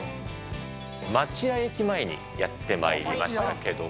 町屋駅前にやってまいりましたけども。